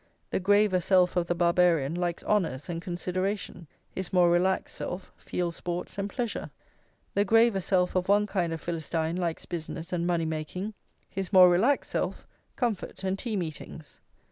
The graver self of the Barbarian likes honours and consideration; his more relaxed self, field sports and pleasure. The graver self of one kind of Philistine likes business and money making; his more relaxed self, comfort and tea meetings.